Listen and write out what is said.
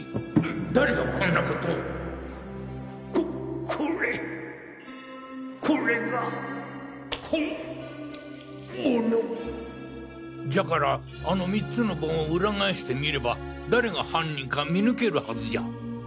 誰がこんな事をここれこれが本物じゃからあの３つの盆をウラ返して見れば誰が犯人か見抜けるハズじゃ！